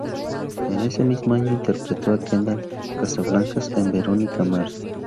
En ese mismo año interpretó a Kendall Casablancas en Veronica Mars.